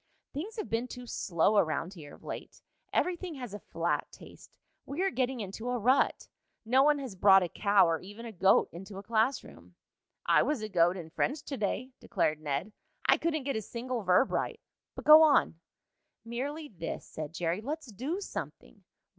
"Things have been too slow around here of late. Everything has a flat taste. We are getting into a rut. No one has brought a cow, or even a goat, into a class room." "I was a goat in French to day," declared Ned. "I couldn't get a single verb right. But go on." "Merely this," said Jerry. "Let's do something."